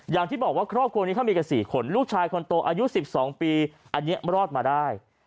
อย่างที่บอกว่าครอบครัวนี้เขามีกัน๔คนลูกชายคนโตอายุ๑๒ปีอันนี้รอดมาได้